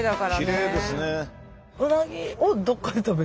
きれいですね。